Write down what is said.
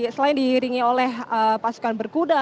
selain diiringi oleh pasukan berkuda